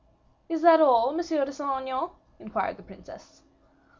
"Is that all, Monsieur de Saint Aignan?" inquired the princess.